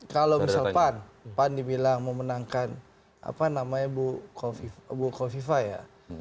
kalau misal pan pan dibilang mau menangkan buko viva ya